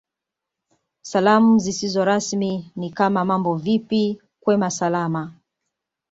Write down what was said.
Salamu zisizo rasmi ni kama Mambo vipi kwema Salama